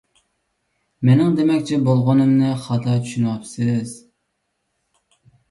مېنىڭ دېمەكچى بولغىنىمنى خاتا چۈشىنىۋاپسىز!